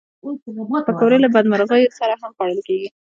پکورې له بدمرغیو سره هم خوړل کېږي